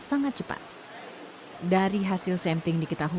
yang saat ini isolasi mandiri di rumah